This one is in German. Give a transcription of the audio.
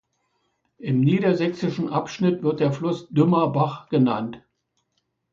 Im niedersächsischen Abschnitt wird der Fluss Dümmer Bach genannt.